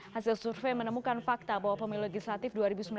hasil survei menemukan fakta bahwa pemilu legislatif dua ribu sembilan belas